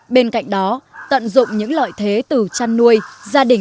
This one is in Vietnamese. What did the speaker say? bên cạnh đó tận dụng những loại thế từ chăn nuôi